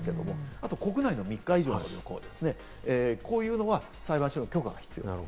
あとは国内の３日以上の旅行ですね、こういうのは裁判所の許可が必要です。